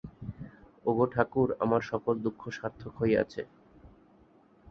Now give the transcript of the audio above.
ওগো ঠাকুর, আমার সকল দুঃখ সার্থক হইয়াছে।